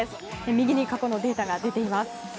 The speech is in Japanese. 右に過去のデータが出ています。